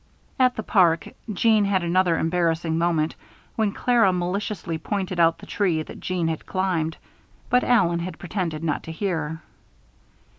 At the park, Jeanne had another embarrassing moment when Clara maliciously pointed out the tree that Jeanne had climbed; but Allen had pretended not to hear.